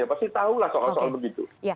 ya pasti tahulah soal soal begitu